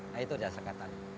nah itu aja asal katanya